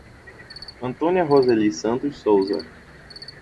Antônia Roseli Santos Souza